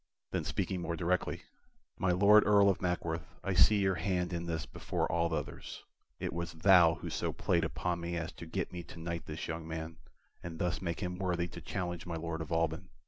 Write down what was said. Then speaking more directly: "My Lord Earl of Mackworth, I see your hand in this before all others. It was thou who so played upon me as to get me to knight this young man, and thus make him worthy to challenge my Lord of Alban.